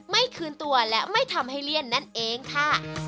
ไม่คืนตัวและไม่ทำให้เลี่ยนนั่นเองค่ะ